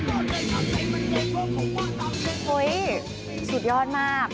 โอ้โหสุดยอดมาก